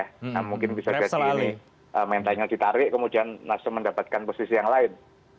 nah mungkin bisa jadi ini mentalnya ditarik kemudian nasdem mendapatkan posisi yang lain